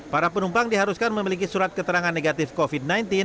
para penumpang diharuskan memiliki surat keterangan negatif covid sembilan belas